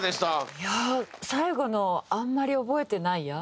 いや最後の『あんまり覚えてないや』。